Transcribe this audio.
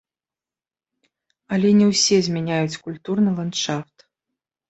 Але не ўсе змяняюць культурны ландшафт.